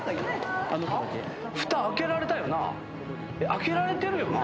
ふた開けられたよな？